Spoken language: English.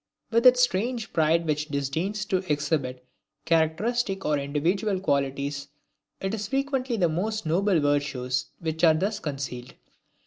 With that strange pride which disdains to exhibit characteristic or individual qualities, it is frequently the most noble virtues which are thus concealed.